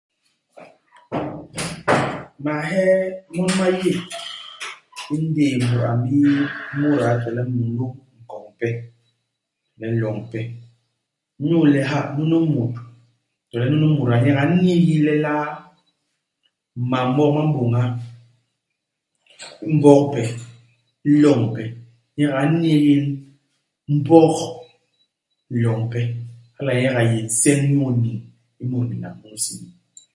Mahee mon ma yé indéé mut a m'bii muda to le mulôm nkoñ mpe, to le loñ ipe. Inyu le ha, nunu mut, to le nunu muda ñyek a n'nigil lelaa mam mok ma m'bôña i mbok ipe, i loñ ipe ; ñyek a n'nigil Mbog i loñ ipe. Hala ñyek a yé nseñ iñyu niñ i mut binam munu i hisi.